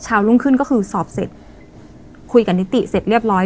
รุ่งขึ้นก็คือสอบเสร็จคุยกับนิติเสร็จเรียบร้อย